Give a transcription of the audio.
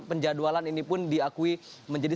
penjadwalan ini pun diakui menjadi